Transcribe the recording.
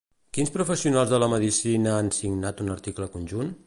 Quins professionals de la medicina han signat un article conjunt?